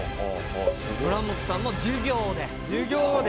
村本さんも授業で。